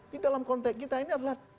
di dalam konteks kita ini adalah